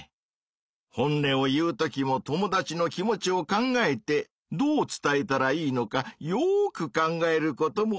本音を言うときも友達の気持ちを考えてどう伝えたらいいのかよく考えることもたいせつかもね。